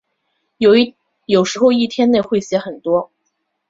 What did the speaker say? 有时候一天内会写很多。